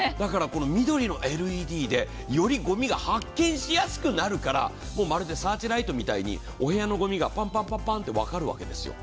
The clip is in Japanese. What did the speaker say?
緑のＬＥＤでよりごみが発見しやすくなるから、もうまるでサーチライトみたいにお部屋のごみがパッパッと分かるんです。